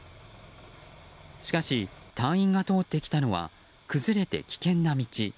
しかし、隊員が通ってきたのは崩れて危険な道。